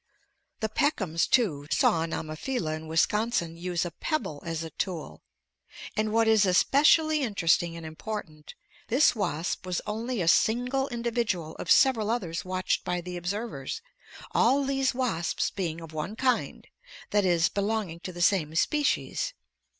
The Peckhams, too, saw an Ammophila in Wisconsin use a pebble as a tool, and what is especially interesting and important, this wasp was only a single individual of several others watched by the observers, all these wasps being of one kind, that is, belonging to the same species.